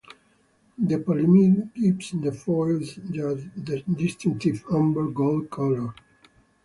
The polyimide gives the foils their distinctive amber-gold color.